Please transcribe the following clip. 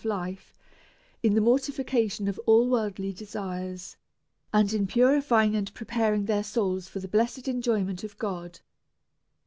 of life, in the mortification of all world ly desires, and in purifying and prepar ing their souls for the blessed enjoyment of God.